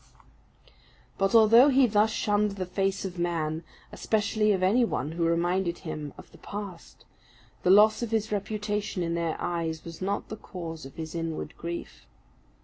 But although he thus shunned the face of man, especially of any one who reminded him of the past, the loss of his reputation in their eyes was not the cause of his inward grief.